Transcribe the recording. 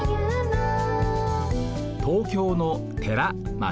東京の寺町。